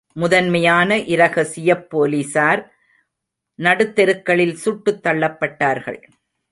முதன்மையான இரகசியப் போலிஸார் நடுத்தெருக்களில் சுட்டுத் தள்ளப்பட்டார்கள்.